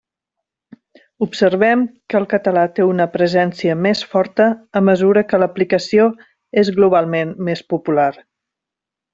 Observem que el català té una presència més forta a mesura que l'aplicació és globalment més popular.